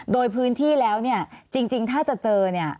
โดยพื้นที่แล้วจริงถ้าจะเจอ